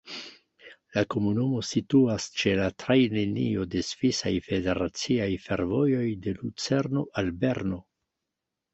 La komunumo situas ĉe la trajnlinio de Svisaj Federaciaj Fervojoj de Lucerno al Berno.